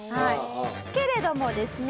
けれどもですね